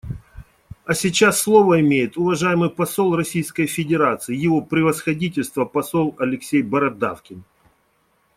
А сейчас слово имеет уважаемый посол Российской Федерации — Его Превосходительство посол Алексей Бородавкин.